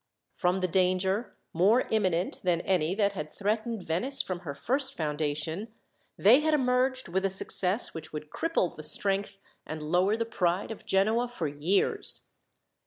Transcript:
From the danger, more imminent than any that had threatened Venice from her first foundation, they had emerged with a success which would cripple the strength, and lower the pride of Genoa for years.